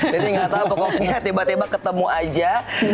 jadi nggak tau pokoknya tiba tiba ketemu aja